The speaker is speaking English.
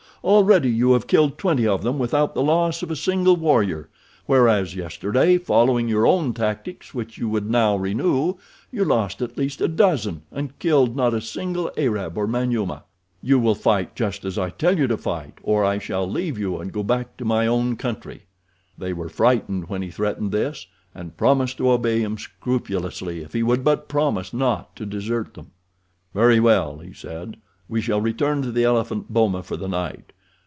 Already you have killed twenty of them without the loss of a single warrior, whereas, yesterday, following your own tactics, which you would now renew, you lost at least a dozen, and killed not a single Arab or Manyuema. You will fight just as I tell you to fight, or I shall leave you and go back to my own country." They were frightened when he threatened this, and promised to obey him scrupulously if he would but promise not to desert them. "Very well," he said. "We shall return to the elephant boma for the night.